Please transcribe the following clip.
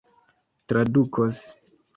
tradukos